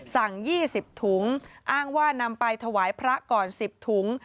สั่งยี่สิบถุงอ้างว่านำไปถวายพระก่อนสิบถุง